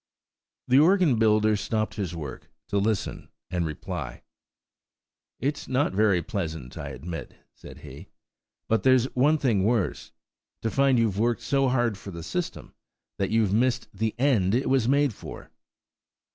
The organ builder stopped his work, to listen and reply:– "It's not very pleasant, I admit," said he, "but there's one thing worse–to find you've worked so hard for the system, that you've missed the end it was made for."